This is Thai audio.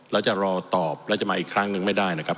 แล้วจะรอตอบแล้วจะมาอีกครั้งหนึ่งไม่ได้นะครับ